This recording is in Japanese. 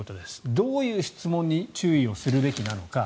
どういう質問に注意をするべきなのか。